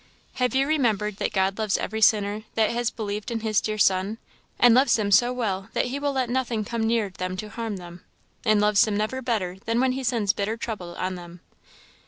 "Have you remembered that God loves every sinner that has believed in his dear Son? and loves them so well, that He will let nothing come near them to harm them? and loves them never better than when He sends bitter trouble on them?